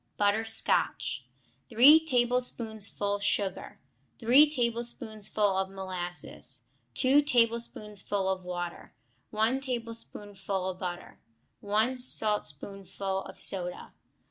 Butter Scotch 3 tablespoonfuls sugar. 3 tablespoonfuls of molasses. 2 tablespoonfuls of water. 1 tablespoonful of butter. 1 saltspoonful of soda.